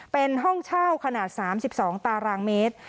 เป็นห้องเช่าขนาด๓๒ตารางเมตร